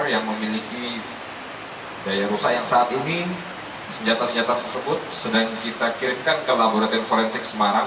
yang memiliki daya rusak yang saat ini senjata senjata tersebut sedang kita kirimkan ke laboratorium forensik semarang